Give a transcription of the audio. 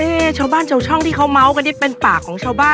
เฮ้ชาวบ้านโจ๖๔เมาท์กันเป็นปากของชาวบ้าน